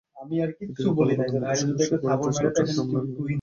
এদিকে কলাবাগান মাঠে সংঘর্ষের খবরে তেজগাঁও ট্রাক টার্মিনাল এলাকাতেও সংঘর্ষ শুরু হয়।